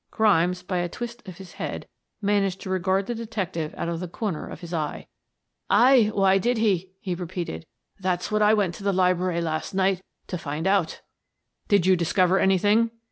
Grimes, by a twist of his head, managed to regard the detective out of the corner of his eye. "Aye, why did he?" he repeated. "That's what I went to the library last night to find out." "Did you discover anything?"